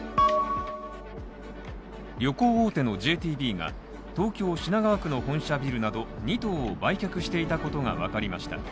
旅行大手のＪＴＢが東京・品川区の本社ビルなど２棟を売却していたことが分かりました。